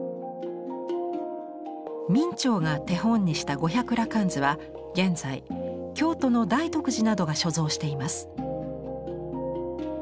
明兆が手本にした「五百羅漢図」は現在京都の大徳寺などが所蔵しています。